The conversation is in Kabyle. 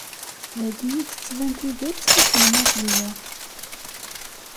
Dagi i d-tettban tidet akken ma tella.